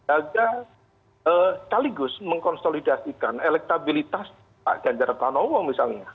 agar kaligus mengkonsolidasikan elektabilitas pak ganjar tanowo misalnya